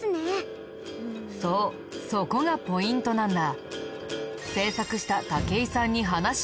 そうそこがポイントなんだ。